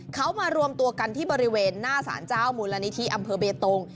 เขามารวมตัวกันที่บริเวณหน้าสารเจ้ามูลนิธิอำเภอเบตง